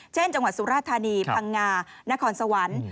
จังหวัดสุราธานีพังงานครสวรรค์